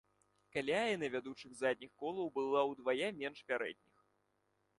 Каляіна вядучых задніх колаў была ўдвая менш пярэдніх.